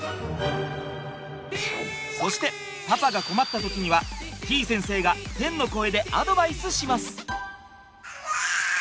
そしてパパが困った時にはてぃ先生が天の声でアドバイスします。